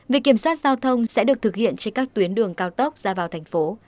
việc kiểm soát giao thông sẽ được thực hiện trên các tuyến đường cao tốc ra vào thành phố